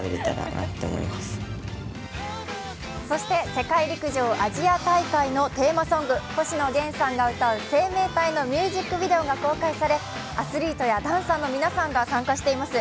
世界陸上、アジア大会のテーマソング、星野源さんが歌う「生命体」のミュージックビデオが公開され、アスリートやダンサーの皆さんが参加しています。